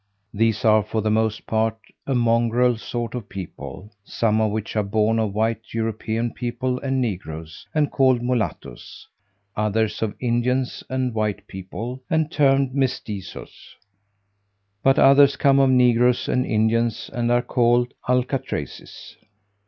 These are for the most part a mongrel sort of people; some of which are born of white European people and negroes, and called mulattoes: others of Indians and white people, and termed mesticos: but others come of negroes and Indians, and are called alcatraces.